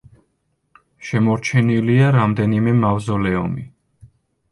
შემორჩენილია რამდენიმე მავზოლეუმი.